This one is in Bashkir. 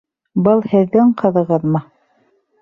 Был һеҙҙең ҡыҙығыҙмы?